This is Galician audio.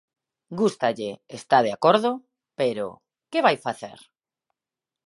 Gústalle, está de acordo, pero, ¿que vai facer?